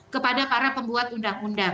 kepada para pembuat undang undang